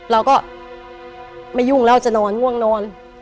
เราก็ไม่ยุ่งแล้วจะนอนง่วงนอน